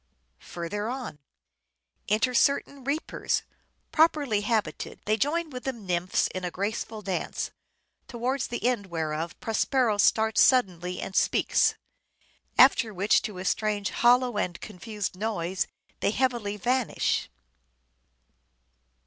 Further on :— "Enter certain reapers, properly habited; they join with the Nymphs in a graceful dance ; towards the end whereof Prospero starts suddenly and speaks ; after which to a strange hollow and confused noise they heavily vanish."